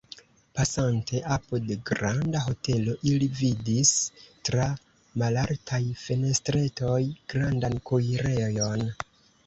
Pasante apud granda hotelo, ili vidis, tra malaltaj fenestretoj, grandan kuirejon.